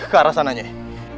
ke arah sana nyai